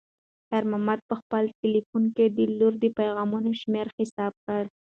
خیر محمد په خپل تلیفون کې د لور د پیغامونو شمېر حساب کړ.